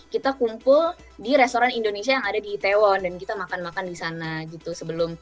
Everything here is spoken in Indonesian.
kita kumpul di restoran indonesia yang ada di itaewon dan kita makan makan di sana gitu sebelum